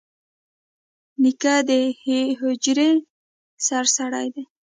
نیکه د حجرې سرسړی وي.